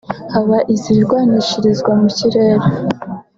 haba izirwanishirizwa mu kirere